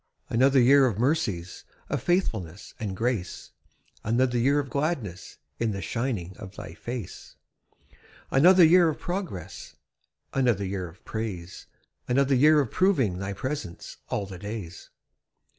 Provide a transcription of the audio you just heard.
Another year of mercies, Of faithfulness and grace; Another year of gladness In the shining of Thy face. Another year of progress, Another year of praise; Another year of proving Thy presence 'all the days.'